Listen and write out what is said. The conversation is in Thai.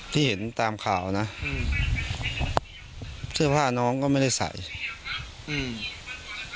ที่เห็นตามข่าวนะอืมเสื้อผ้าน้องก็ไม่ได้ใส่อืม